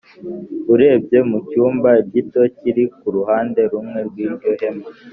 Urebye mu cyumba gito kiri ku ruhande rumwe rw iryo hema